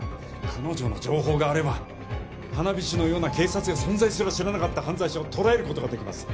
彼女の情報があれば花火師のような警察が存在すら知らなかった犯罪者を捕らえることができます